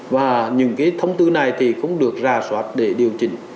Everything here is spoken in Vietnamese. và những cái thông tư này thì không được ra soát để điều chỉnh